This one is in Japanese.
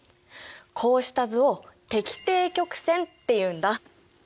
こうした図を滴定曲線っていうんだ。